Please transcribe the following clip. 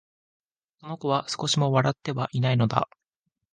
この子は、少しも笑ってはいないのだ